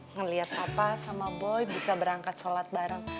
ngeliat papa sama boy bisa berangkat sholat bareng